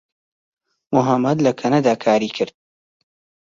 محەممەد لە کەنەدا کاری کرد.